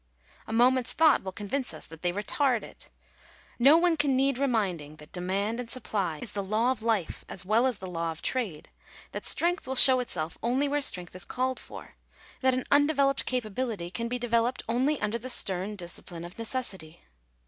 A moment's thought] will convince us that they retard it. No one can need remind ing that demand and supply is the law of life as well as the law of trade — that strength will show itself only where strength is called for — that an undeveloped capability can be developed only under the stern discipline of necessity.